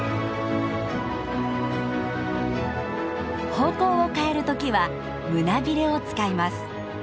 方向を変える時は胸びれを使います。